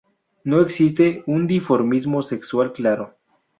No existe un dimorfismo sexual claro.